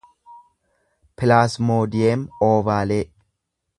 pilaasmoodiyem oovaalee